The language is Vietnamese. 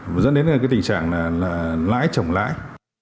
và dẫn đến cái tình trạng là lái trồng lái